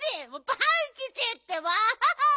パンキチってば！